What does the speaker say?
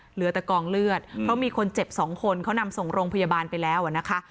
เหลือแต่กองเลือดเพราะมีคนเจ็บสองคนเขานำส่งโรงพยาบาลไปแล้วอ่ะนะคะ